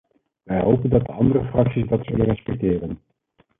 Wij hopen dat de andere fracties dat zullen respecteren.